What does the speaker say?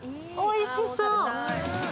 おいしそ。